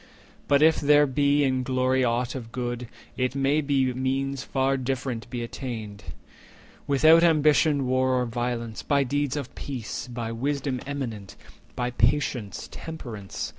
But, if there be in glory aught of good; It may be means far different be attained, Without ambition, war, or violence— 90 By deeds of peace, by wisdom eminent, By patience, temperance.